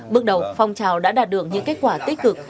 bước đầu phong trào đã đạt được những kết quả tích cực